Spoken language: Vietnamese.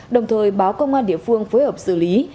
đồng thời báo công an địa phương phối hợp xử lý